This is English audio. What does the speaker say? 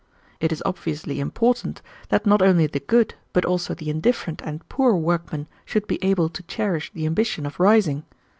"It is obviously important that not only the good but also the indifferent and poor workmen should be able to cherish the ambition of rising.